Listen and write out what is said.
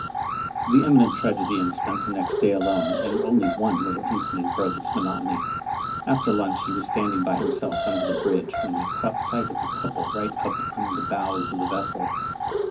The Eminent Tragedian spent the next day alone, and only one little incident hroke its monotony. After lunch he was standing hy himself under the hridge, when he caught sight of a couple right up in the hows of the vessel.